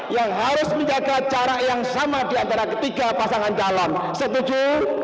yang harus menjaga jarak yang sama diantara ketiga pasangan calon setuju